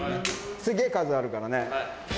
すげえ数あるからね。